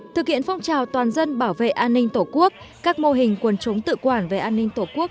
thực hiện phong trào toàn dân bảo vệ an ninh tổ quốc các mô hình quần chúng tự quản về an ninh tổ quốc